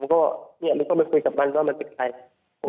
ผมก็เนี้ยมันเข้าไปคุยกับมันว่ามันติดใครอืม